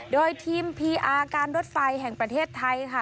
โดยทีมพีอาร์การรถไฟแห่งประเทศไทยค่ะ